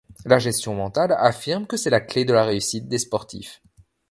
La gestion mentale affirme que c'est la clé de la réussite des sportifs.